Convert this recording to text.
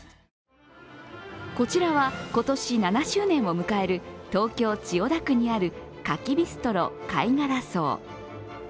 こちらは、今年７０年を迎える東京・千代田区にある牡蠣ビストロ貝殻荘。